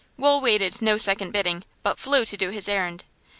Wool waited no second bidding, but flew to do his errand.